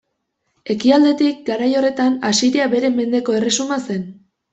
Ekialdetik, garai horretan, Asiria bere mendeko erresuma zen.